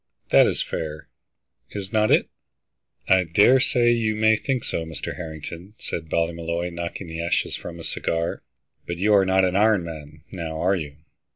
That is fair, is not it?" "I dare say you may think so, Mr. Harrington," said Ballymolloy, knocking the ashes from his cigar. "But you are not an iron man, now, are you?"